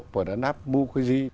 vừa đã nắp mukherjee